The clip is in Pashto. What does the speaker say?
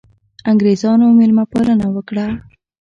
انګرېزانو مېلمه پالنه وکړه.